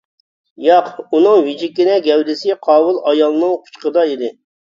ياق، ئۇنىڭ ۋىجىككىنە گەۋدىسى قاۋۇل ئايالنىڭ قۇچىقىدا ئىدى.